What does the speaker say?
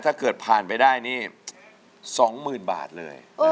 ถ้าเกิดผ่านไปได้นี่สองหมื่นบาทเลย